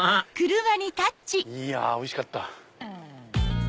いやおいしかった！